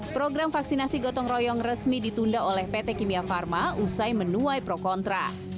program vaksinasi gotong royong resmi ditunda oleh pt kimia pharma usai menuai pro kontra